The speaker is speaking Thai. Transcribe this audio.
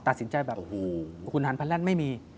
ตัดสินใจแบบว่าคุณฮันพันธ์แร่งไม่มี